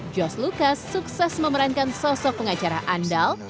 josh lucas sukses memerankan sosok pengacara andal